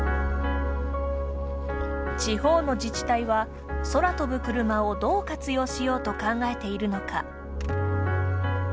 地方の自治体は空飛ぶクルマをどう活用しようと考えているのか。